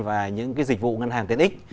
và những cái dịch vụ ngân hàng tiến x